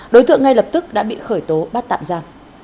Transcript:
đối tượng ngay lập tức đã bị khởi tố bắt tạm ra